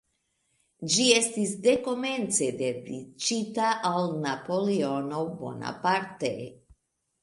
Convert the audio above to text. Ĝi estis dekomence dediĉita al Napoleono Bonaparte.